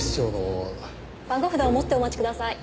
番号札を持ってお待ちください。